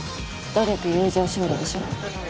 努力友情勝利でしょ。